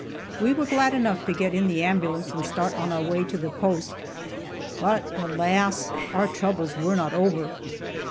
We were glad enough to get in the ambulance and start on our way to the post, but alas! our troubles were not over.